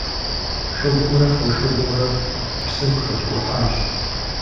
Шыгъумрэ фошыгъумрэ псым хэткӀухьащ.